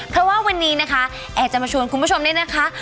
เพราะว่าวันนี้นะคะแอบจะมาชวนคุณผู้ชมเนี่ยนะคะ